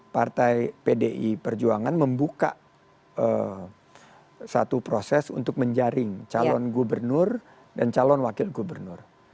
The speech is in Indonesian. partai pdi perjuangan membuka satu proses untuk menjaring calon gubernur dan calon wakil gubernur